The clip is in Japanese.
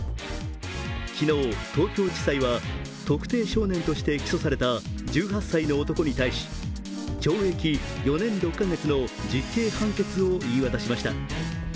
昨日、東京地裁は特定少年として起訴された１８歳の男に対し、懲役４年６か月の実刑判決を言い渡しました。